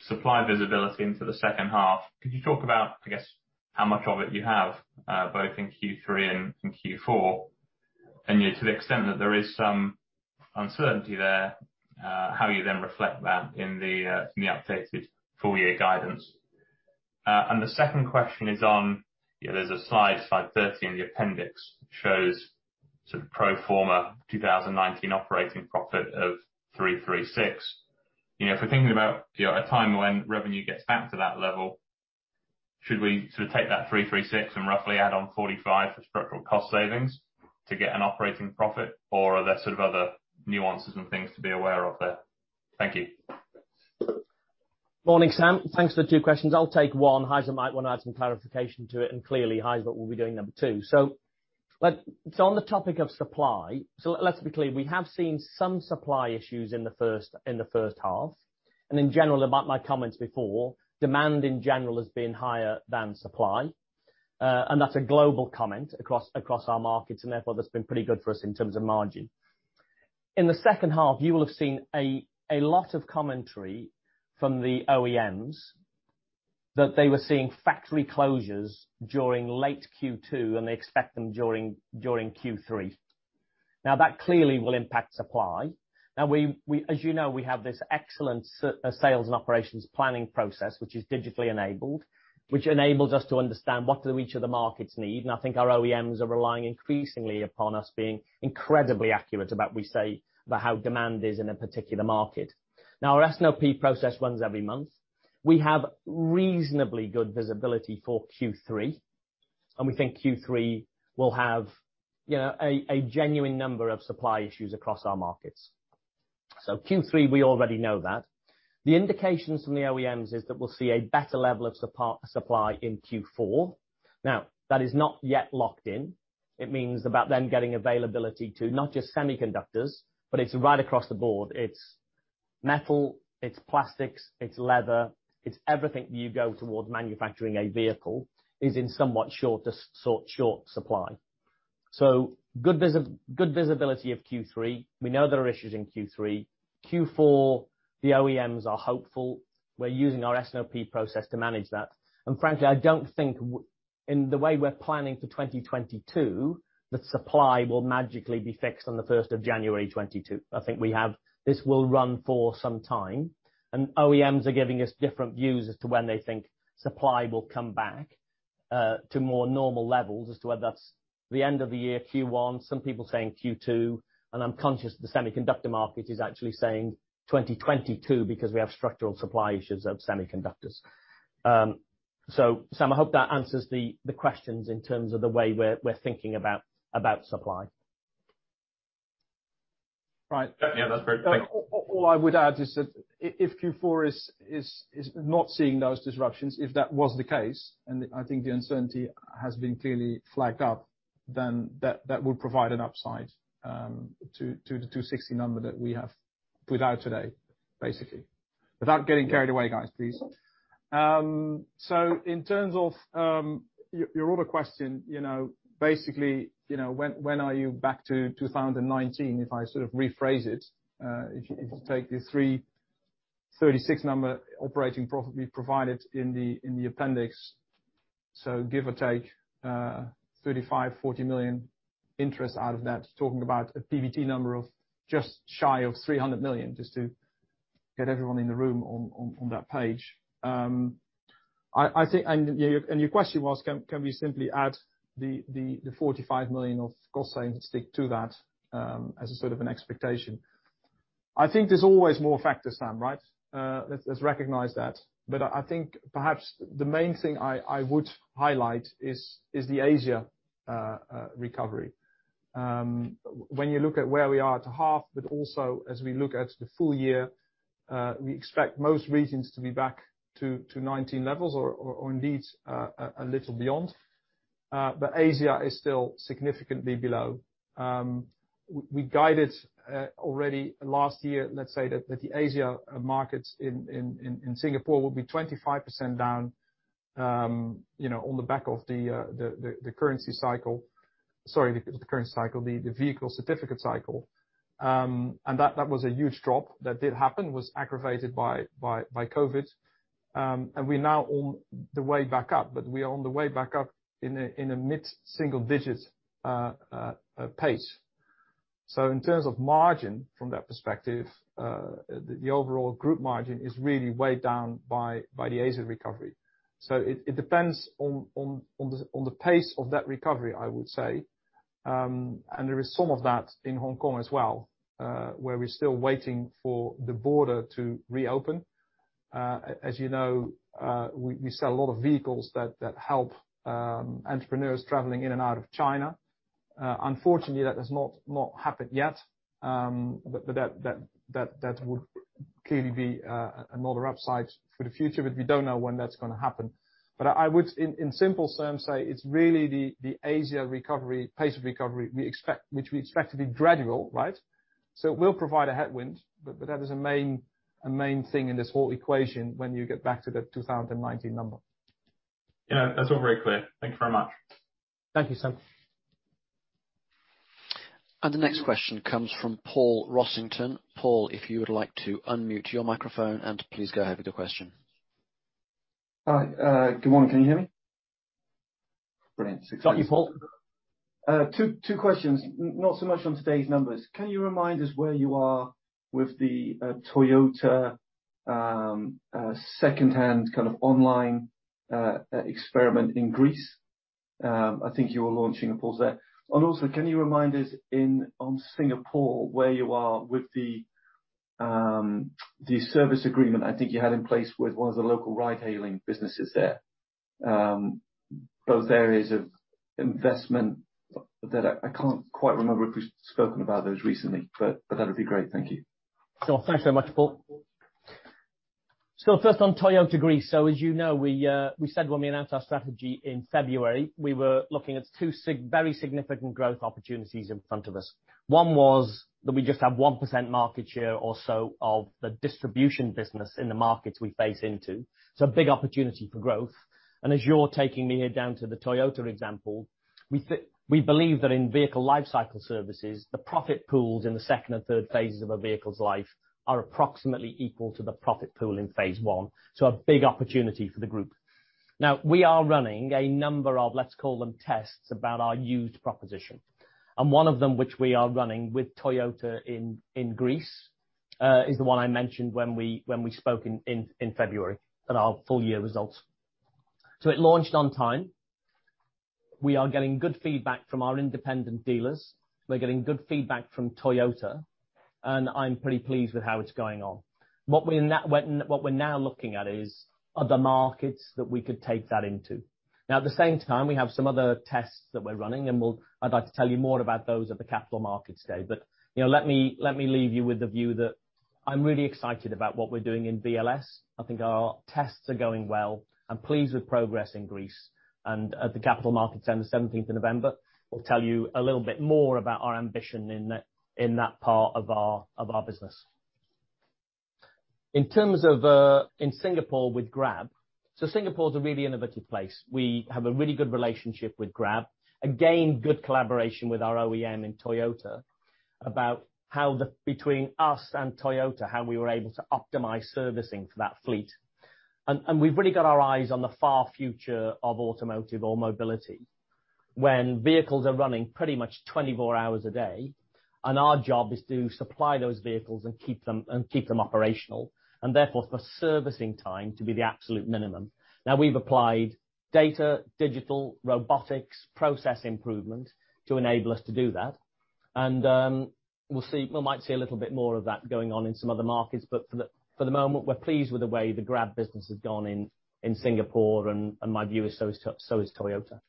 S7: supply visibility into the second half. Could you talk about, I guess, how much of it you have, both in Q3 and Q4? To the extent that there is some uncertainty there, how you reflect that in the updated full year guidance. The second question is on, there is a slide 30 in the appendix, shows pro forma 2019 operating profit of 336. If we are thinking about a time when revenue gets back to that level, should we take that 336 and roughly add on 45 for structural cost savings to get an operating profit? Or are there other nuances and things to be aware of there? Thank you.
S1: Morning, Sam. Thanks for the two questions. I will take one. Gijsbert might want to add some clarification to it, and clearly Gijsbert will be doing number two. On the topic of supply, let's be clear, we have seen some supply issues in the first half. In general, my comments before, demand in general has been higher than supply. That's a global comment across our markets, and therefore that's been pretty good for us in terms of margin. In the second half, you will have seen a lot of commentary from the OEMs that they were seeing factory closures during late Q2, and they expect them during Q3. That clearly will impact supply. As you know, we have this excellent sales and operations planning process, which is digitally enabled, which enables us to understand what do each of the markets need. I think our OEMs are relying increasingly upon us being incredibly accurate about how demand is in a particular market. Our S&OP process runs every month. We have reasonably good visibility for Q3, and we think Q3 will have a genuine number of supply issues across our markets. Q3, we already know that. The indications from the OEMs is that we'll see a better level of supply in Q4. That is not yet locked in. It means about them getting availability to not just semiconductors, but it's right across the board. It's metal, it's plastics, it's leather, it's everything you go towards manufacturing a vehicle is in somewhat short supply. Good visibility of Q3. We know there are issues in Q3. Q4, the OEMs are hopeful. We're using our S&OP process to manage that. Frankly, I don't think in the way we're planning for 2022 that supply will magically be fixed on the 1st of January 2022. I think this will run for some time, and OEMs are giving us different views as to when they think supply will come back to more normal levels as to whether that's the end of the year Q1, some people saying Q2, and I'm conscious the semiconductor market is actually saying 2022 because we have structural supply issues of semiconductors. Sam, I hope that answers the questions in terms of the way we're thinking about supply.
S7: Right. Yeah, that's great. Thank you.
S1: All I would add is that if Q4 is not seeing those disruptions, if that was the case, and I think the uncertainty has been clearly flagged up, that would provide an upside to the 260 number that we have.
S2: Without today, basically. Without getting carried away, guys, please. In terms of your other question, basically, when are you back to 2019? If I rephrase it, if you take the 336 million operating profit we provided in the appendix, give or take, 35 million-40 million interest out of that, talking about a PBT number of just shy of 300 million, just to get everyone in the room on that page. Your question was, can we simply add the 45 million of cost savings to that, as an expectation. I think there's always more factors, Sam, right? Let's recognize that. I think perhaps the main thing I would highlight is the Asia recovery. When you look at where we are at the half, also as we look at the full year, we expect most regions to be back to 2019 levels or indeed, a little beyond. Asia is still significantly below. We guided already last year, let's say, that the Asia markets in Singapore will be 25% down on the back of the currency cycle. Sorry, the currency cycle, the vehicle certificate cycle. That was a huge drop that did happen, was aggravated by COVID-19. We're now on the way back up, but we are on the way back up in a mid-single-digit pace. In terms of margin from that perspective, the overall group margin is really weighed down by the Asia recovery. It depends on the pace of that recovery, I would say. There is some of that in Hong Kong as well, where we're still waiting for the border to reopen. As you know, we sell a lot of vehicles that help entrepreneurs traveling in and out of China. Unfortunately, that has not happened yet. That would clearly be another upside for the future, but we don't know when that's going to happen. I would, in simple terms, say it's really the Asia recovery, pace of recovery, which we expect to be gradual, right? It will provide a headwind, but that is a main thing in this whole equation when you get back to the 2019 number.
S7: Yeah, that's all very clear. Thank you very much.
S2: Thank you, Sam.
S3: The next question comes from Paul Rossington. Paul, if you would like to unmute your microphone and please go ahead with your question.
S8: Hi. Good morning. Can you hear me? Brilliant.
S1: Got you, Paul.
S8: Two questions, not so much on today's numbers. Can you remind us where you are with the Toyota secondhand kind of online experiment in Greece? I think you were launching a pulse there. Also, can you remind us on Singapore, where you are with the service agreement I think you had in place with one of the local ride-hailing businesses there. Those areas of investment that I can't quite remember if we've spoken about those recently, that would be great. Thank you.
S1: Sure. Thanks so much, Paul. First on Toyota Greece. As you know, we said when we announced our strategy in February, we were looking at two very significant growth opportunities in front of us. One was that we just have 1% market share or so of the distribution business in the markets we face into. A big opportunity for growth. As you're taking me here down to the Toyota example, we believe that in vehicle lifecycle services, the profit pools in the second and third phases of a vehicle's life are approximately equal to the profit pool in phase one. A big opportunity for the group. We are running a number of, let's call them tests, about our used proposition. One of them, which we are running with Toyota in Greece, is the one I mentioned when we spoke in February at our full year results. It launched on time. We are getting good feedback from our independent dealers. We're getting good feedback from Toyota, I'm pretty pleased with how it's going on. What we're now looking at is other markets that we could take that into. At the same time, we have some other tests that we're running, I'd like to tell you more about those at the Capital Markets Day. Let me leave you with the view that I'm really excited about what we're doing in VLS. I think our tests are going well. I'm pleased with progress in Greece at the Capital Markets on the 17th of November, we'll tell you a little bit more about our ambition in that part of our business. In terms of in Singapore with Grab. Singapore is a really innovative place. We have a really good relationship with Grab. Again, good collaboration with our OEM and Toyota about how between us and Toyota, how we were able to optimize servicing for that fleet. We've really got our eyes on the far future of automotive or mobility when vehicles are running pretty much 24 hours a day, our job is to supply those vehicles and keep them operational, therefore for servicing time to be the absolute minimum. We've applied data, digital, robotics, process improvement to enable us to do that. We might see a little bit more of that going on in some other markets, but for the moment, we're pleased with the way the Grab business has gone in Singapore and my view is so is Toyota.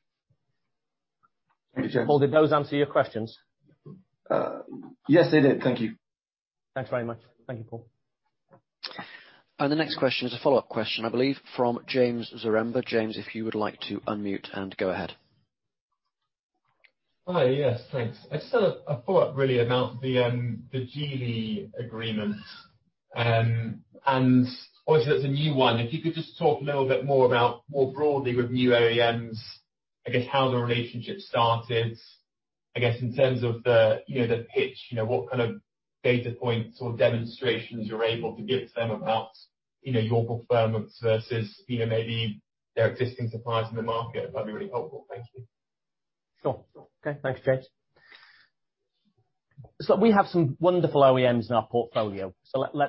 S1: Thank you, James. Paul, did those answer your questions?
S8: Yes, they did. Thank you.
S1: Thanks very much. Thank you, Paul.
S3: The next question is a follow-up question, I believe, from James Zaremba. James, if you would like to unmute and go ahead.
S6: Hi. Yes, thanks. I just had a follow-up, really, about the Geely agreement, and obviously that's a new one. If you could just talk a little bit more about more broadly with new OEMs, I guess, how the relationship started, I guess in terms of the pitch, what kind of data points or demonstrations you're able to give to them about your performance versus maybe their existing suppliers in the market. That'd be really helpful. Thank you.
S1: Sure. Okay. Thanks, James. We have some wonderful OEMs in our portfolio.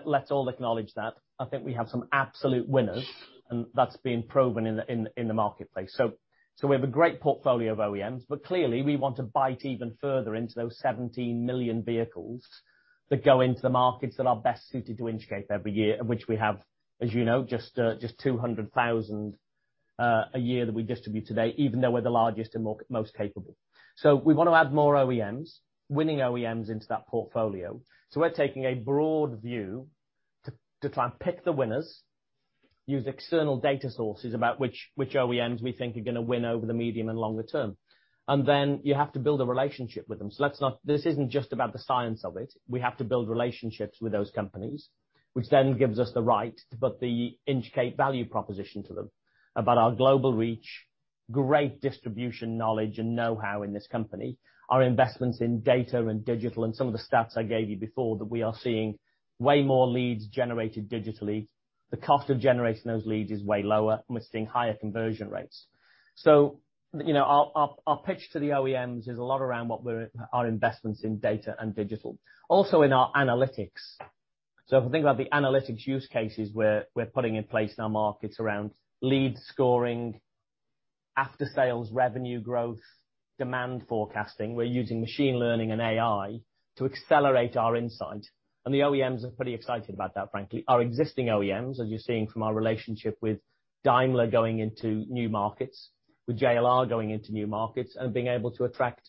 S1: Let's all acknowledge that. I think we have some absolute winners, and that's been proven in the marketplace. We have a great portfolio of OEMs, but clearly we want to bite even further into those 17 million vehicles that go into the markets that are best suited to Inchcape every year, and which we have, as you know, just 200,000 a year that we distribute today, even though we're the largest and most capable. We want to add more OEMs, winning OEMs into that portfolio. We're taking a broad view to try and pick the winners, use external data sources about which OEMs we think are going to win over the medium and longer term. Then you have to build a relationship with them. This isn't just about the science of it. We have to build relationships with those companies, which then gives us the right to put the Inchcape value proposition to them about our global reach, great distribution knowledge and know-how in this company, our investments in data and digital, and some of the stats I gave you before, that we are seeing way more leads generated digitally. The cost of generating those leads is way lower, and we're seeing higher conversion rates. Our pitch to the OEMs is a lot around our investments in data and digital, also in our analytics. If we think about the analytics use cases we're putting in place in our markets around lead scoring, after-sales revenue growth, demand forecasting, we're using machine learning and AI to accelerate our insight, and the OEMs are pretty excited about that, frankly. Our existing OEMs, as you're seeing from our relationship with Daimler going into new markets, with JLR going into new markets, and being able to attract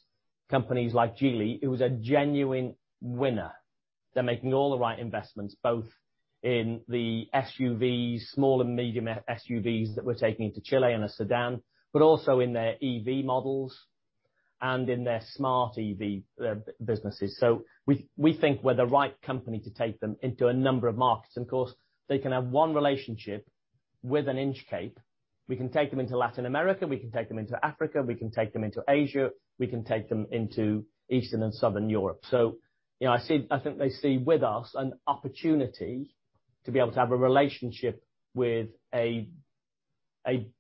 S1: companies like Geely, who is a genuine winner. They're making all the right investments, both in the SUVs, small and medium SUVs that we're taking into Chile and a sedan, but also in their EV models and in their smart EV businesses. We think we're the right company to take them into a number of markets, and of course, they can have one relationship with an Inchcape. We can take them into Latin America, we can take them into Africa, we can take them into Asia, we can take them into Eastern and Southern Europe. I think they see with us an opportunity to be able to have a relationship with a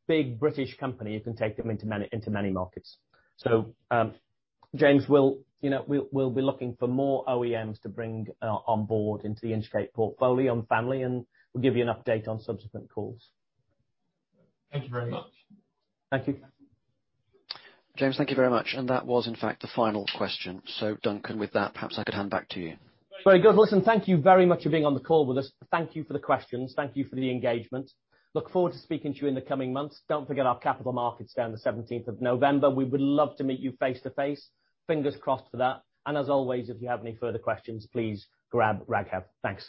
S1: big British company who can take them into many markets. James, we'll be looking for more OEMs to bring on board into the Inchcape portfolio and family, and we'll give you an update on subsequent calls.
S6: Thank you very much.
S1: Thank you.
S3: James, thank you very much. That was in fact the final question. Duncan, with that, perhaps I could hand back to you.
S1: Very good. Listen, thank you very much for being on the call with us. Thank you for the questions. Thank you for the engagement. Look forward to speaking to you in the coming months. Don't forget our Capital Markets Day on the 17th of November. We would love to meet you face-to-face. Fingers crossed for that. As always, if you have any further questions, please grab Raghav. Thanks.